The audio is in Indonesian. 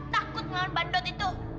takut ngalahin bandot itu